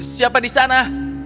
siapa di sana